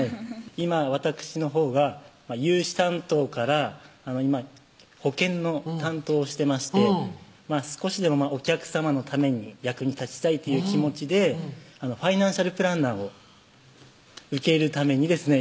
今わたくしのほうが融資担当から今保険の担当をしてまして少しでもお客さまのために役に立ちたいっていう気持ちでファイナンシャルプランナーを受けるためにですね